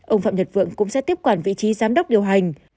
ông phạm nhật vượng cũng sẽ tiếp quản vị trí giám đốc điều hành